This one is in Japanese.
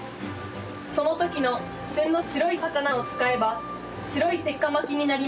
その時の旬の白い魚を使えば白い鉄火巻きになります。